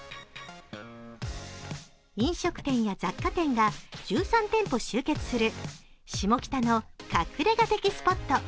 飲食店や雑貨店が１３店舗集結する、下北の隠れ家的スポット。